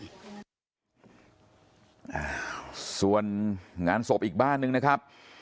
อ่าส่วนงานศพอีกบ้านนึงนะครับ